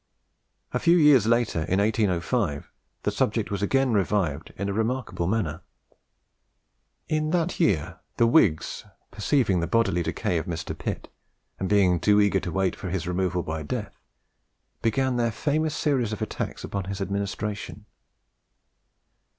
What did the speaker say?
A few years later, in 1805, the subject was again revived in a remarkable manner. In that year, the Whigs, Perceiving the bodily decay of Mr. Pitt, and being too eager to wait for his removal by death, began their famous series of attacks upon his administration.